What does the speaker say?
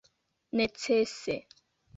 necese